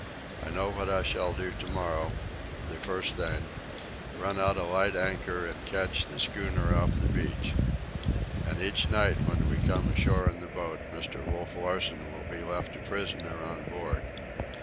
I know what I shall do to morrow, the first thing—run out a light anchor and kedge the schooner off the beach. And each night when we come ashore in the boat, Mr. Wolf Larsen will be left a prisoner on board.